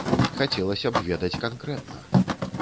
Хацелася б ведаць канкрэтна.